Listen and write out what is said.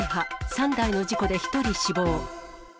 ３台の事故で１人死亡。